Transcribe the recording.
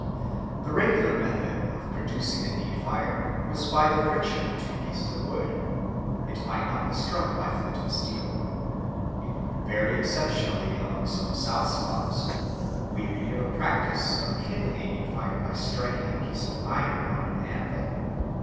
The regular method of producing the need fire was by the friction of two pieces of wood; it might not be struck by flint and steel. Very exceptionally among some South Slavs we read of a practice of kindling a need fire by striking a piece of iron on an anvil.